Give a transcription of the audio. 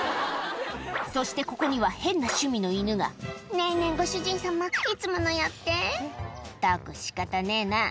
そしてここには変な趣味の犬が「ねぇねぇご主人様いつものやって」「ったく仕方ねえな」